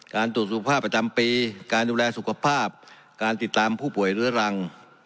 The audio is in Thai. การตรวจสุขภาพประจำปีการดูแลสุขภาพการติดตามผู้ป่วยเรื้อรัง